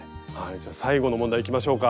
じゃあ最後の問題いきましょうか。